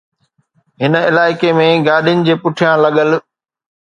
هن علائقي ۾ گاڏين جي پٺيان لڳل